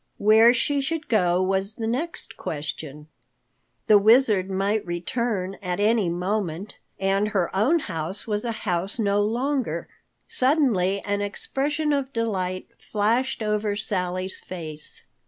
Where she should go was the next question. The Wizard might return at any moment, and her own house was a house no longer. Suddenly an expression of delight flashed over Sally's face.